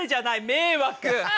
迷惑！